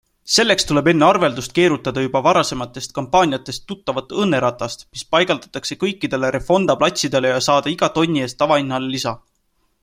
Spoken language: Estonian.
Selleks tuleb enne arveldust keerutada juba varasematest kampaaniatest tuttavat õnneratast, mis paigaldatakse kõikidele Refonda platsidele ja saada iga tonni eest tavahinnale lisa.